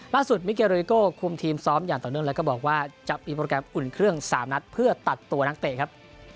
มิเกเรโก้คุมทีมซ้อมอย่างต่อเนื่องแล้วก็บอกว่าจะมีโปรแกรมอุ่นเครื่อง๓นัดเพื่อตัดตัวนักเตะครับ